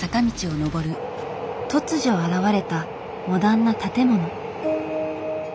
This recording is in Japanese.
突如現れたモダンな建物。